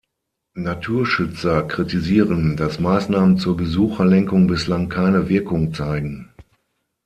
Naturschützer kritisieren, dass Maßnahmen zur Besucherlenkung bislang keine Wirkung zeigen.